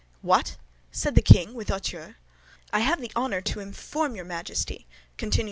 "What?" said the king, with hauteur. "I have the honor to inform your Majesty," continued M.